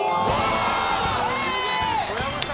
・小籔さん